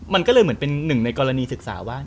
มันก็เลยเหมือนเป็นหนึ่งในกรณีศึกษาว่า